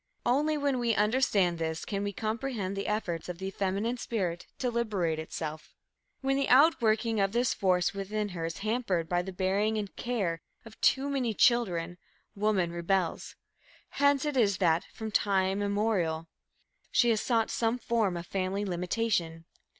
Only when we understand this can we comprehend the efforts of the feminine spirit to liberate itself. When the outworking of this force within her is hampered by the bearing and the care of too many children, woman rebels. Hence it is that, from time immemorial, she has sought some form of family limitation.